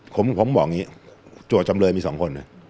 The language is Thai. ผมบอกอย่างนี้ตัวจำเลยมีสองคนนะ